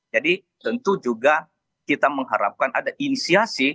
jadi tentu juga kita mengharapkan ada inisiasi